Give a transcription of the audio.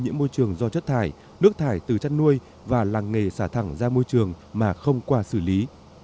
nhiễm môi trường do chất thải nước thải từ chăn nuôi và làng nghề xả thẳng ra môi trường mà không qua xử lý